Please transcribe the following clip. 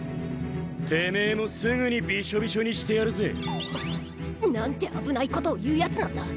てめぇもすぐにビショビショにしてやるぜ。なんて危ないことを言うヤツなんだ。